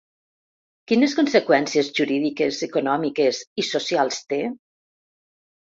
Quines conseqüències jurídiques, econòmiques i socials té?